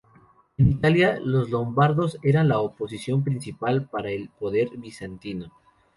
En Italia los lombardos eran la oposición principal para el poder bizantino.